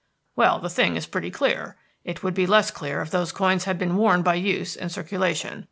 "Well the thing is pretty clear. It would be less clear if those coins had been worn by use and circulation.